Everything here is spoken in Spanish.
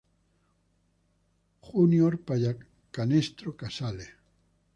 Junior Pallacanestro Casale.